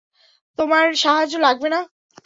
তোমার সাহায্য লাগবে না।